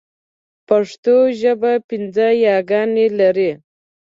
پښتو ژبه پنځه ی ګانې لري.